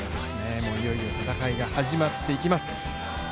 いよいよ戦いが始まっていきます。